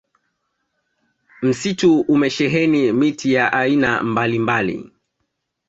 msitu umesheheni miti ya aina mbalimbali